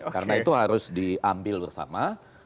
karena itu harus diambil bersama